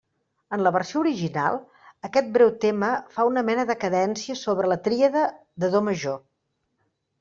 En la versió original, aquest breu tema fa una mena de cadència sobre la tríada de do major.